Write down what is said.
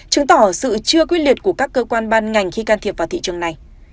chứng tỏ sự chưa quyết liệt của các cơ quan ban ngành khi can thiệp vào thị trường này